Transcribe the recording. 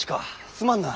すまんな。